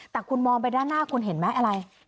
แต่คุณมองไปด้านหน้าคุณเห็นไหมอะไร